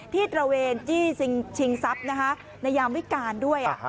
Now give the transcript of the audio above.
ตระเวนจี้ชิงทรัพย์ในยามวิการด้วย